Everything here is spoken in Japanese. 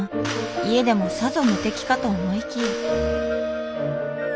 家でもさぞ無敵かと思いきや。